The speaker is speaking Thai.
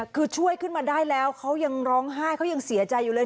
คือช่วยขึ้นมาได้แล้วเขายังร้องไห้เขายังเสียใจอยู่เลย